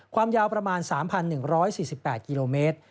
ความยาวประมาณ๓๑๔๘กิโลเมตร